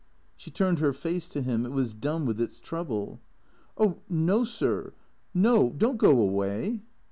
She turned her face to him, it was dumb with its trouble. " Oh no — no, sir — don't go away."